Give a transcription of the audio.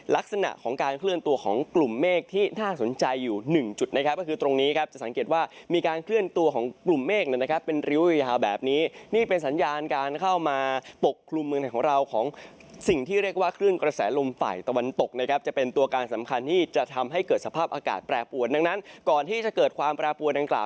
ลักษณะของการเคลื่อนตัวของกลุ่มเมฆที่น่าสนใจอยู่หนึ่งจุดนะครับก็คือตรงนี้ครับจะสังเกตว่ามีการเคลื่อนตัวของกลุ่มเมฆนะครับเป็นริ้วอยู่ยาวแบบนี้นี่เป็นสัญญาการเข้ามาปกกลุ่มเมืองของเราของสิ่งที่เรียกว่าเคลื่อนกระแสลมไฟตะวันตกนะครับจะเป็นตัวการสำคัญที่จะทำให้เกิดสภาพอากาศแปรป